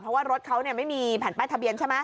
เพราะชอกไม่มีแผ่นแปะทะเบียน